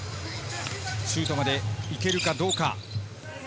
シュートまで行けるかどうか。